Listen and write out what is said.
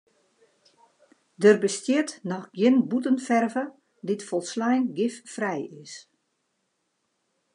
Der bestiet noch gjin bûtenferve dy't folslein giffrij is.